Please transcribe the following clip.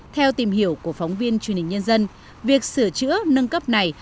theo tìm hiểu của phóng viên truyền hình nhân dân việc sửa chữa nâng cấp này